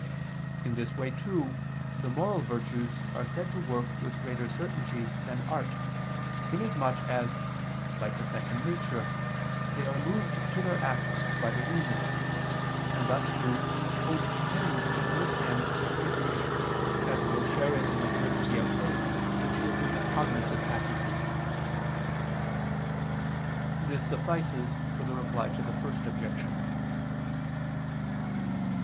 In this way too, the moral virtues are said to work with greater certainty than art, in as much as, like a second nature, they are moved to their acts by the reason: and thus too, hope tends to its end with certainty, as though sharing in the certainty of faith which is in the cognitive faculty. This suffices for the Reply to the First Objection.